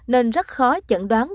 nên rất khó chẩn đoán